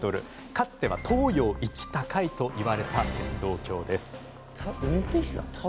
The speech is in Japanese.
かつては東洋一高いといわれた鉄道橋です。